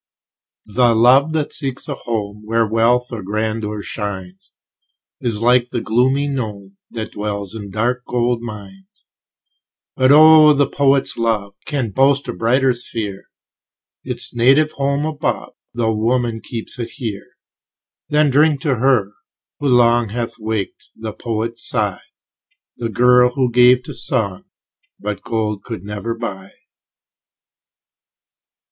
The love that seeks a home Where wealth or grandeur shines, Is like the gloomy gnome, That dwells in dark gold mines. But oh! the poet's love Can boast a brighter sphere; Its native home's above, Tho' woman keeps it here. Then drink to her, who long Hath waked the poet's sigh, The girl, who gave to song What gold could never buy.